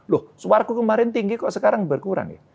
loh suara aku kemarin tinggi kok sekarang berkurang ya